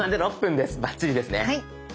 バッチリですね。